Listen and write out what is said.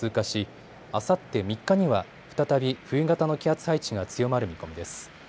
しあさって３日には再び冬型の気圧配置が強まる見込みです。